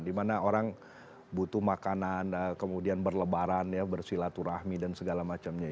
dimana orang butuh makanan kemudian berlebaran ya bersilaturahmi dan segala macamnya